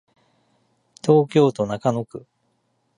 東京都中野区